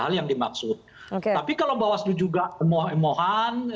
hal yang dimaksud oke tapi kalau bahwa slu juga emohan emohan